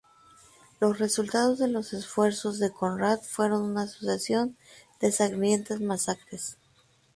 Los resultados de los esfuerzos de Konrad fueron una sucesión de sangrientas masacres.